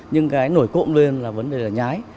nhưng cái nổi cộm lên là vấn đề nhái